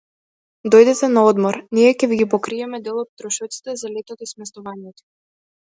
Дојдете на одмор, ние ќе ви покриеме дел од трошоците за летот и сместувањето